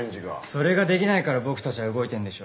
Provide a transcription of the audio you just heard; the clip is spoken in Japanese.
それができないから僕たちが動いてるんでしょ。